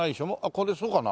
これそうかな？